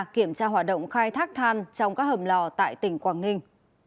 kiểm tra hoạt động khai thác than trong các hầm lò tại tỉnh quảng ninh